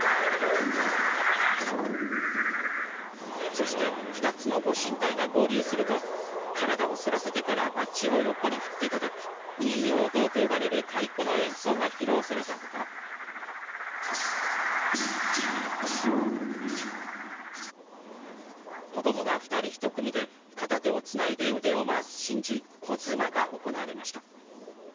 そして２つのご神体が合流すると体をそらせてからばちを横に振ってたたく陰陽胴と呼ばれる太鼓の演奏が披露されたほか子どもが２人１組で片手をつないで腕を回す神事神相撲が行われました。